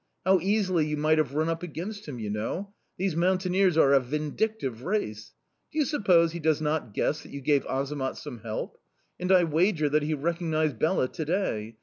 How easily you might have run up against him, you know! These mountaineers are a vindictive race! Do you suppose he does not guess that you gave Azamat some help? And I wager that he recognised Bela to day!